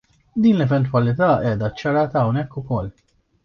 Din l-eventwalità qiegħda ċċarata hawnhekk ukoll.